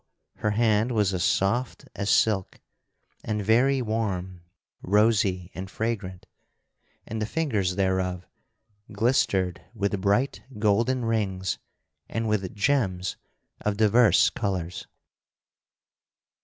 her hand was as soft as silk and very warm, rosy and fragrant, and the fingers thereof glistered with bright golden rings and with gems of divers colors.